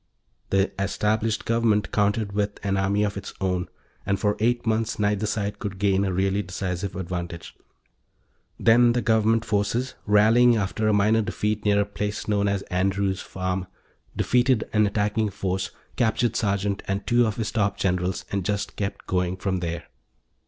The established government countered with and army of its own, and for eight months, neither side could gain a really decisive advantage. Then the Government forces, rallying after a minor defeat near a place known as Andrew's Farm, defeated an attacking force, captured Sergeant and two of his top generals, and just kept going from there.